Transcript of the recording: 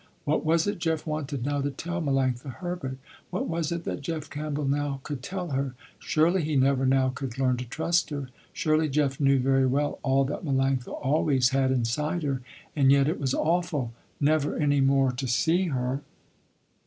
What was it Jeff wanted now to tell Melanctha Herbert? What was it that Jeff Campbell now could tell her? Surely he never now could learn to trust her. Surely Jeff knew very well all that Melanctha always had inside her. And yet it was awful, never any more to see her.